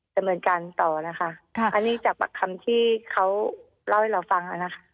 ดำเนินการต่อนะคะค่ะอันนี้จากปากคำที่เขาเล่าให้เราฟังอ่ะนะคะ